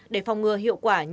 để phòng ngừa hiệu quả